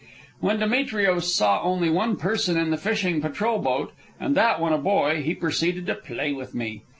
When Demetrios saw only one person in the fish patrol boat, and that one a boy, he proceeded to play with me.